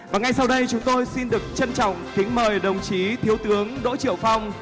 và ngay sau đây chúng tôi xin được trân trọng kính mời đồng chí thiếu tướng đỗ triệu phong